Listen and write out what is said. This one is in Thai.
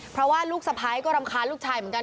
เพราะว่าลูกสะพ้ายก็รำคาญลูกชายเหมือนกัน